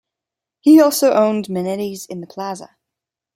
He also owned Manetti's in the Plaza.